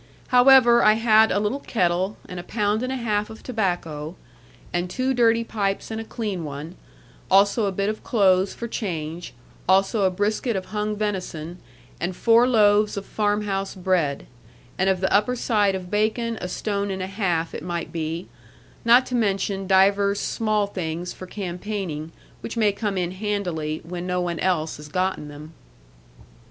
However, I had a little kettle, and a pound and a half of tobacco, and two dirty pipes and a clean one; also a bit of clothes for change, also a brisket of hung venison, and four loaves of farmhouse bread, and of the upper side of bacon a stone and a half it might be not to mention divers small things for campaigning, which may come in handily, when no one else has gotten them.